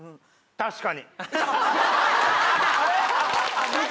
確かに。